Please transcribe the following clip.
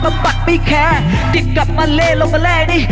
มันบัดไม่แคร์ติดกับมะเลลงมาและดิ